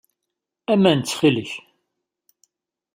Aman, ttxil-k.